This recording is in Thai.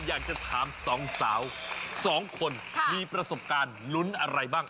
อยากจะถามสองสาวสองคนมีประสบการณ์ลุ้นอะไรบ้าง